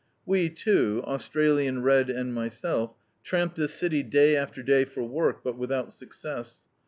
We two, Australian Red and myself, tramped this city day after day for work, but without success.